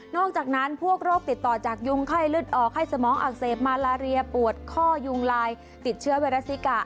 อกจากนั้นพวกโรคติดต่อจากยุงไข้เลือดออกไข้สมองอักเสบมาลาเรียปวดข้อยุงลายติดเชื้อไวรัสซิกะ